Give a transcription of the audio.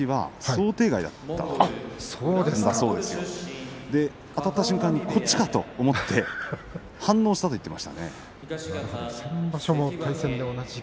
相手とあたった瞬間に落ちたと思って反応したと言ってましたね。